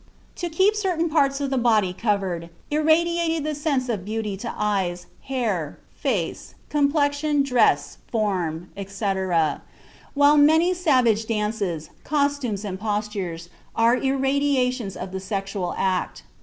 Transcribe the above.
To keep certain parts of the body covered, irradiated the sense of beauty to eyes, hair, face, complexion, dress, form, etc., while many savage dances, costumes and postures are irradiations of the sexual act.